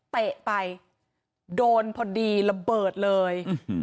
เตะไปโดนพอดีระเบิดเลย